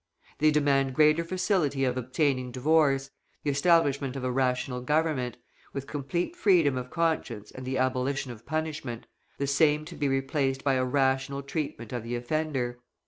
They demand greater facility of obtaining divorce, the establishment of a rational government, with complete freedom of conscience and the abolition of punishment, the same to be replaced by a rational treatment of the offender.